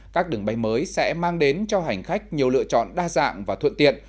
các đường bay mới sẽ mang đến cho hành khách nhiều lựa chọn đa dạng và thuận tiện